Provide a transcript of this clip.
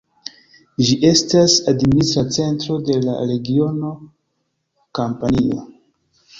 Ĝi estas administra centro de la regiono Kampanio.